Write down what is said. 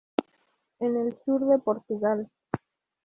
En el sur de Portugal.